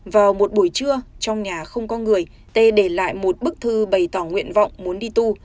vào một buổi trưa trong nhà không có người tê để lại một bức thư bày tỏ nguyện vọng muốn đi tu